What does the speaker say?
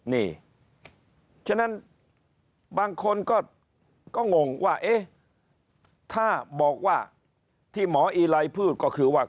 นี่ฉะนั้นบางคนก็งงว่าเอ๊ะถ้าบอกว่าที่หมออีไลพูดก็คือว่า